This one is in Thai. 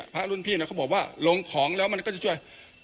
พระรุ่นพี่เขาบอกว่าลงของแล้วมันก็จะช่วย